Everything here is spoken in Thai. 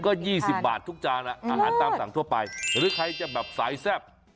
ก็๒๐บาททุกจานอาหารตามสั่งทั่วไปหรือใครจะแบบสายแซ่บ